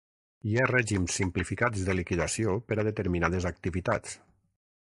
Hi ha règims simplificats de liquidació per a determinades activitats.